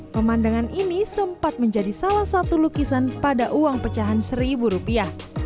pemandangan ini sempat menjadi salah satu lukisan pada uang pecahan seribu rupiah